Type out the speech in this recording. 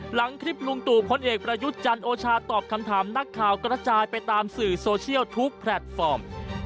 หลังคลิปลุงตู่พลเอกประยุทธ์จันทร์โอชาตอบคำถามนักข่าวกระจายไปตามสื่อโซเชียลทุกแพลตฟอร์ม